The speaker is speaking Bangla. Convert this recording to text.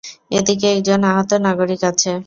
এদিকে একজন আহত নাগরিক আছে।